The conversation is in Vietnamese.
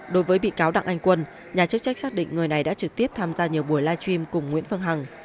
đối với bị cáo đặng anh quân nhà chức trách xác định người này đã trực tiếp tham gia nhiều buổi live stream cùng nguyễn phương hằng